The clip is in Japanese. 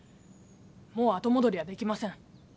もう後戻りはできません。